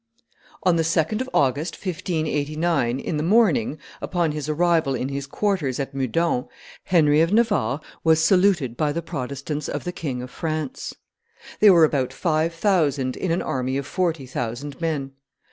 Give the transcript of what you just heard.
(1589 1593.) On the 2d of August, 1589, in the morning, upon his arrival in his quarters at Meudon, Henry of Navarre was saluted by the Protestants King of France. They were about five thousand in an army of forty thousand men.